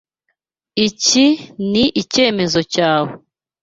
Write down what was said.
Iki ni icyemezo cyawe.